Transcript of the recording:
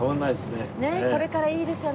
ねえこれからいいですよ